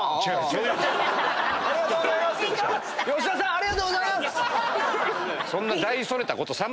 ありがとうございます。